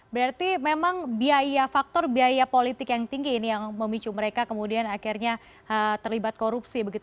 berarti memang biaya faktor biaya politik yang tinggi ini yang memicu mereka kemudian akhirnya terlibat korupsi begitu